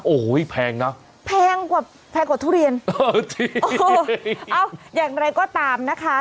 โอ้โหแพงนะแพงกว่าแพงกว่าทุเรียนเออจริงเอ้าอย่างไรก็ตามนะคะ